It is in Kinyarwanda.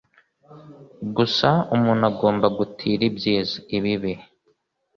gusa umuntu agomba gutira ibyiza, ibibi